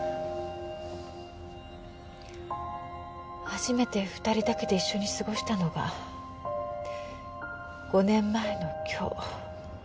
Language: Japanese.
初めて２人だけで一緒に過ごしたのが５年前の今日。